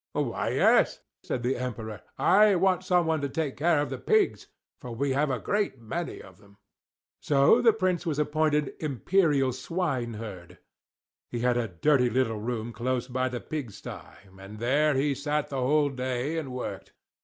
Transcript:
"Why, yes," said the Emperor. "I want some one to take care of the pigs, for we have a great many of them." So the Prince was appointed "Imperial Swineherd." He had a dirty little room close by the pigsty; and there he sat the whole day, and worked.